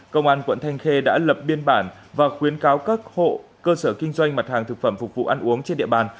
công an quận thanh khê đã lập biên bản và khuyến cáo các hộ cơ sở kinh doanh mặt hàng thực phẩm phục vụ ăn uống trên địa bàn